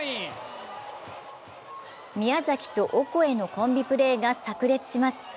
宮崎とオコエのコンビプレーがさく裂します。